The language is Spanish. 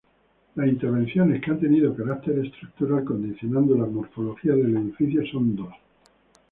Las intervenciones que han tenido carácter estructural, condicionando la morfología del edificio son dos.